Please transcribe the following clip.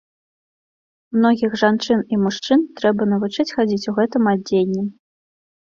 Многіх жанчын і мужчын трэба навучыць хадзіць у гэтым адзенні.